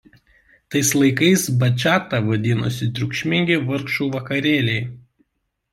Tais laikais bačata vadinosi triukšmingi vargšų vakarėliai.